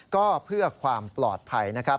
ก็เพื่อความปลอดภัยนะครับ